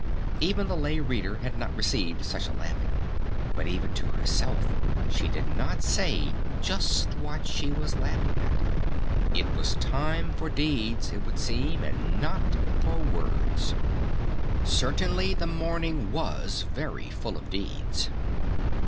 Even the Lay Reader had not received such a laughing But even to herself she did not say just what she was laughing at. It was a time for deeds, it would seem, and not for words. Certainly the morning was very full of deeds!